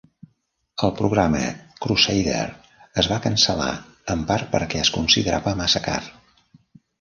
El programa Crusader es va cancel·lar, en part perquè es considerava massa car.